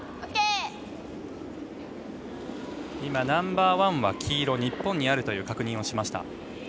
ナンバーワンは黄色日本にあるという確認をしました。